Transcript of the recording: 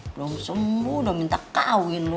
belum sembuh udah minta kawin loh